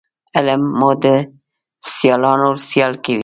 علم مو د سیالانو سیال کوي